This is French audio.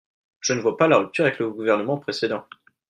Je ne vois pas la rupture avec le gouvernement précédent.